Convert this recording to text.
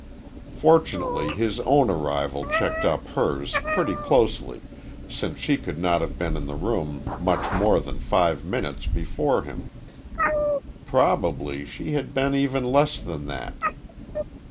Fortunately his own arrival checked up hers pretty closely, since she could not have been in the room much more than five minutes before him. Probably she had been even less than that.